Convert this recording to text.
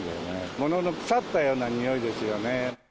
物の腐ったような臭いですよね。